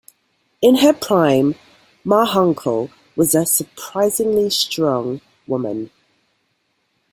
In her prime, Ma Hunkel was a surprisingly strong woman.